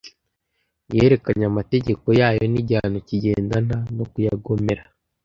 Yerekanye amategeko yayo, n’igihano kigendana no kuyagomera